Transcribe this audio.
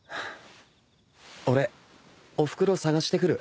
俺おふくろ捜してくる。